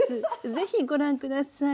是非ご覧下さい。